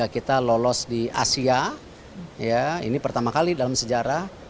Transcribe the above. kita lolos di asia ini pertama kali dalam sejarah